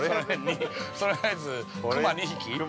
◆とりあえず熊２匹。